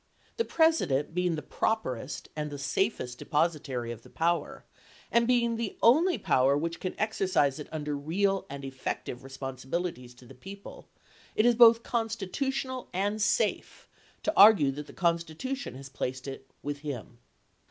The President being the properest and the safest depositary of the power, and being the only power which, can exercise it under real and effective re sponsibilities to the people, it is both constitutional and safe to argue that the Constitution has placed it with him."